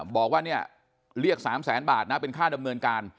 บอกว่าเนี่ยเรียก๓แสนบาทนะเป็นค่าดำเนินการ